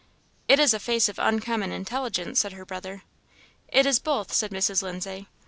"It is a face of uncommon intelligence!" said her brother. "It is both," said Mrs. Lindsay.